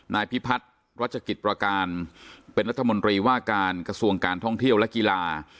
นายพิพัฒน์รัชกิจประการเป็นรัฐมนตรีว่าการกระทรวงการท่องเที่ยวและกีฬา